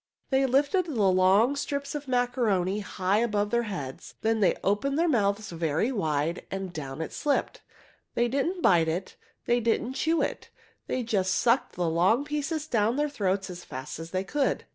They lifted the long white strips of macaroni high above their heads, then they opened their mouths very wide, and down it slipped. They didn't bite it, they didn't chew it, they just sucked the long pieces down their throats as fast as they could.